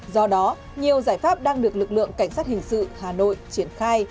do đó nhiều giải pháp đang được lực lượng cảnh sát hình sự hà nội triển khai